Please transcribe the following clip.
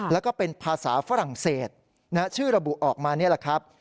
แล้วก็เป็นภาษาฝรั่งเศสชื่อระบุออกมานี่แหละครับ